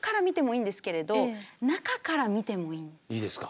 いいですか。